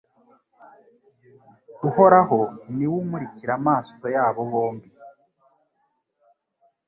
Uhoraho ni we umurikira amaso yabo bombi